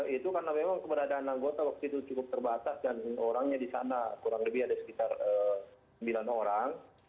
itu karena memang keberadaan anggota waktu itu cukup terbatas dan orangnya di sana kurang lebih ada sekitar sembilan orang